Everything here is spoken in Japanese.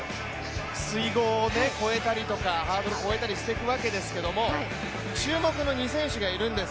水濠を越えたりとか、ハードルを越えたりしていくわけですが、注目の２選手がいるんです。